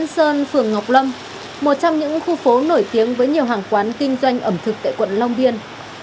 sơn phường ngọc lâm một trong những khu phố nổi tiếng với nhiều hàng quán kinh doanh ẩm thực tại quận long biên